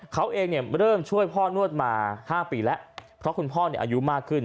เขาเองเริ่มช่วยพ่อนวดมา๕ปีแล้วเพราะคุณพ่ออายุมากขึ้น